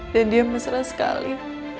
dan dia mesra sekali